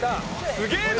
すげえな！